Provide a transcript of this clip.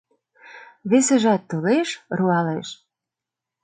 Весыжат толеш — руалеш.